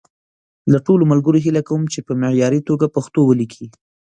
له ټولو ملګرو هیله کوم چې په معیاري توګه پښتو وليکي.